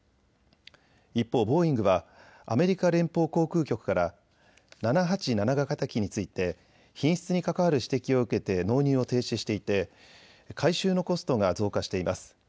一方、ボーイングはアメリカ連邦航空局から７８７型機について品質に関わる指摘を受けて納入を停止していて改修のコストが増加しています。